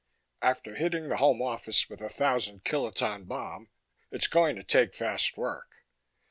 " after hitting the Home office with a Thousand kiloton bomb. It's going to take fast work.